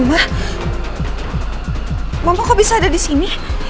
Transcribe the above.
mama kok bisa ada disini